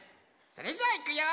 それじゃあいくよ！